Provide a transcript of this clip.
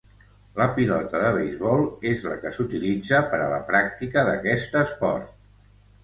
La pilota de beisbol és la que s'utilitza per a la pràctica d'aquest esport.